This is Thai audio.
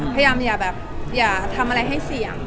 อย่าแบบอย่าทำอะไรให้เสี่ยง